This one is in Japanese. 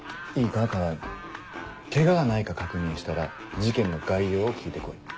川合ケガがないか確認したら事件の概要を聞いて来い。